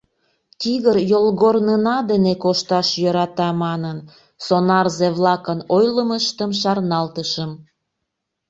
Тигр йолгорнына дене кошташ йӧрата манын, сонарзе-влакын ойлымыштым шарналтышым.